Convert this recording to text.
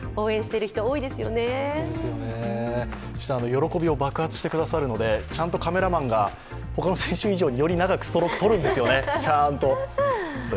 喜びを爆発してくださるのでちゃんとカメラマンが他の選手よりも長くストロークとるんですよね。